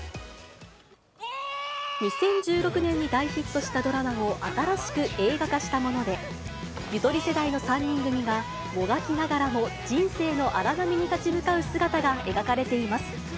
２０１６年に大ヒットしたドラマを新しく映画化したもので、ゆとり世代の３人組が、もがきながらも人生の荒波に立ち向かう姿が描かれています。